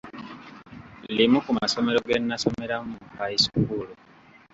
Limu ku masomero ge nnasomeramu mu high school